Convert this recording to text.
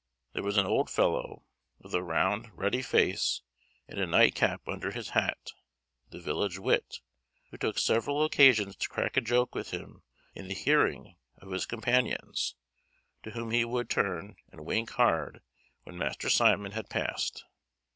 There was an old fellow, with a round, ruddy face, and a night cap under his hat, the village wit, who took several occasions to crack a joke with him in the hearing of his companions, to whom he would turn and wink hard when Master Simon had passed.